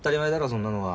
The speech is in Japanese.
そんなのは。